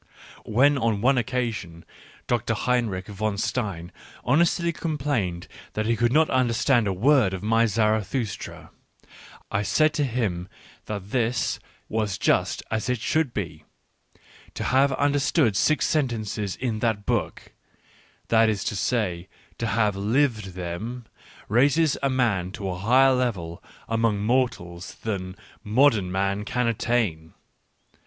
... When on one occasion Dr. Heinrich von Stein honestly complained that he could not under stand a word of my Zarathustra, I said to him that this was just as it should be : to have understood six sentences in that book — that is to say, to have lived them — raises a man to a higher level among mortals than " modern " men can attain.